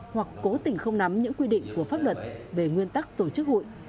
hoặc cố tình không nắm những quy định của pháp luật về nguyên tắc tổ chức hội